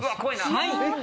３位。